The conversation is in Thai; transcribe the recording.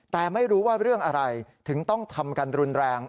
แต่ไม่รู้ว่าเรื่องอะไรถึงต้องทำกันรุนแรง